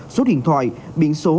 số điện thoại biện sách đồng hành